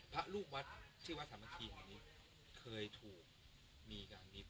พระรูปวัฒน์ที่หวัดสามารถที่หังนี้เคยถูกมีการนี้